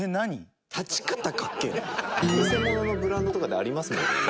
偽物のブランドとかでありますもんね